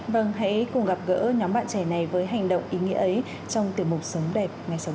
vâng hãy cùng gặp gỡ nhóm bạn trẻ này với hành động ý nghĩa ấy trong tiểu mục sống đẹp ngay sau đây